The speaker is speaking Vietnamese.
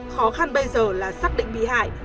khó khăn bây giờ là xác định bị hại